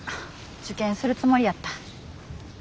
受験するつもりやった。